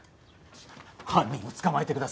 犯人を捕まえてください。